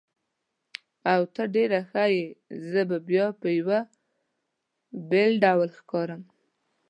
اوه، ته ډېر ښه یې، زه به بیا په یوه بېل ډول ښکارم.